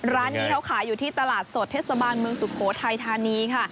ร้านนี้เขาขายอยู่ที่ตลาดสดเทศบาลเมืองสุโขทัยธานีค่ะ